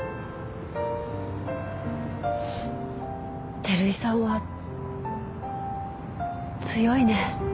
照井さんは強いね。